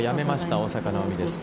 大坂なおみです。